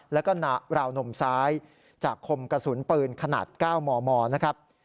แล้วก็ราวนมซ้ายจากคมกระสุนปืนขนาด๙มมนะครับ